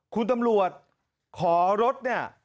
คุณตำรวจขอรถเนี่ย